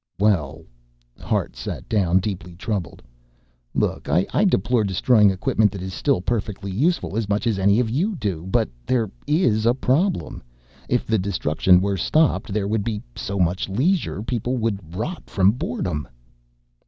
"Well " Hart sat down, deeply troubled. "Look, I deplore destroying equipment that is still perfectly useful as much as any of you do. But there is a problem. If the destruction were stopped there would be so much leisure people would rot from boredom."